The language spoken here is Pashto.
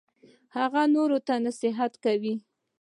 هغه نورو ته نصیحت کاوه.